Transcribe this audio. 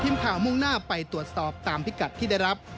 มุ่งหน้าไปตรวจสอบตามพิกัดที่ได้รับ